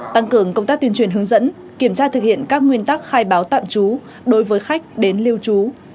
tăng cường công tác tuyên truyền hướng dẫn kiểm tra thực hiện các nguyên tắc khai báo tạm trú đối với khách đến lưu trú